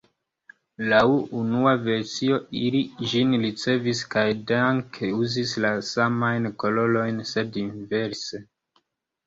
Laŭ unua versio, ili ĝin ricevis kaj danke uzis la samajn kolorojn sed inverse.